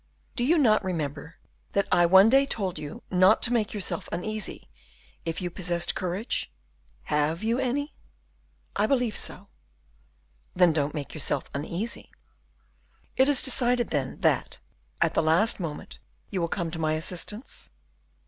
"Do you not remember that I one day told you not to make yourself uneasy, if you possessed courage? Have you any?" "I believe so." "Then don't make yourself uneasy." "It is decided then, that, at the last moment, you will come to my assistance."